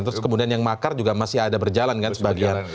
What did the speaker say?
terus kemudian yang makar juga masih ada berjalan kan sebagian